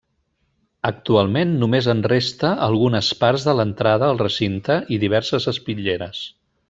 Actualment, només en resta algunes parts de l'entrada al recinte i diverses espitlleres.